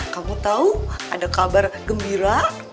kamu tahu ada kabar gembira